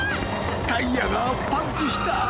タイヤがパンクした！